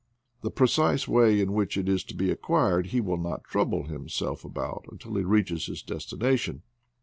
The precise way in which it is to be acquired he will not trouble himself about until he reaches his destination.